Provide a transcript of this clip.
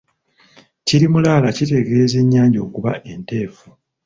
Kiri mulaala kitegeeza ennyanja okuba enteefu.